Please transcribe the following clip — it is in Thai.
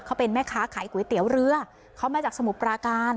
เขาเป็นแม่ค้าขายก๋วยเตี๋ยวเรือเขามาจากสมุทรปราการ